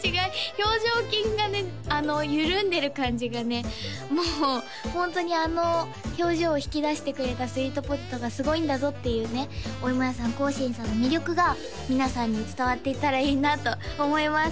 表情筋がね緩んでる感じがねもうホントにあの表情を引き出してくれたスイートポテトがすごいんだぞっていうねおいもやさん興伸さんの魅力が皆さんに伝わっていたらいいなと思います